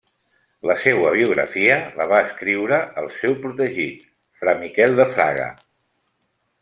La seua biografia la va escriure el seu protegit, fra Miquel de Fraga.